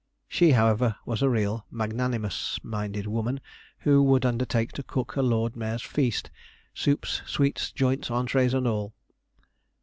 She, however, was a real magnanimous minded woman, who would undertake to cook a lord mayor's feast soups, sweets, joints, entrées, and all.